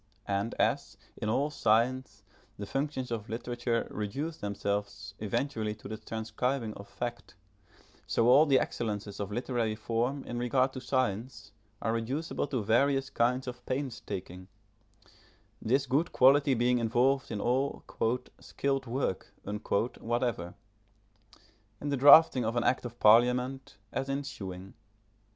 And as, in all science, the functions of literature reduce themselves eventually to the transcribing of fact, so all the excellences of literary form in regard to science are reducible to various kinds of pains taking; this good quality being involved in all "skilled work" whatever, in the drafting of an act of parliament, as in sewing.